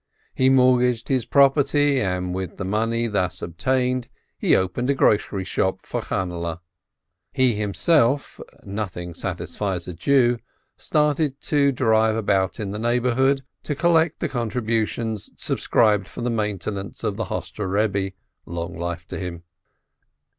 He mortgaged his property, and with the money thus obtained he opened a grocery shop for Channehle. He himself (nothing satisfies a Jew!) started to drive about in the neighborhood, to collect the contributions subscribed for the maintenance of the Hostre Rebbe, long life to him